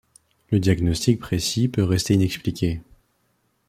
Le diagnostic précis peut rester inexpliqué.